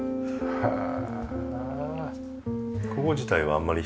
へえ。